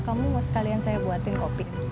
kamu mau sekalian saya buatin kopi